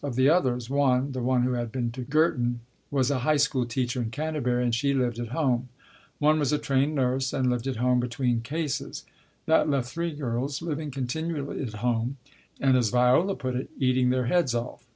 Of the others, one (the one who had been to Girton) was a High School teacher in Canterbury and she lived at home ; one was a trained nurse and lived at home between cases ; that left three girls living continually at home and, as Viola put it, eating their heads off.